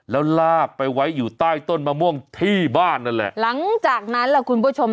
แล้วลากไปไว้อยู่ใต้ต้นมะม่วงที่บ้านนั่นแหละหลังจากนั้นล่ะคุณผู้ชม